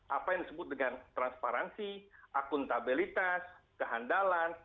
apa yang disebut dengan transparansi akuntabilitas kehandalan